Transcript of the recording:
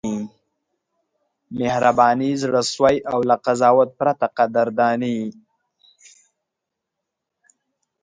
مهرباني، زړه سوی او له قضاوت پرته قدرداني: